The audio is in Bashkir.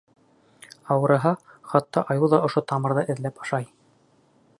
Ауырыһа, хатта айыу ҙа ошо тамырҙы эҙләп ашай.